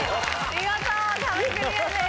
見事壁クリアです。